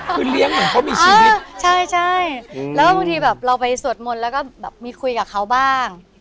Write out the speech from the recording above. คือเลี้ยงเหมือนเขามีชีวิตใช่แล้วบางทีแบบเราไปสวดมนต์แล้วก็แบบมีคุยกับเขาบ้าง